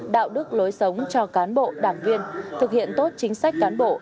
đạo đức lối sống cho cán bộ đảng viên thực hiện tốt chính sách cán bộ